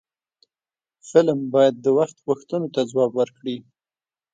فلم باید د وخت غوښتنو ته ځواب ورکړي